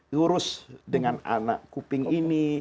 lurus dengan anak kuping ini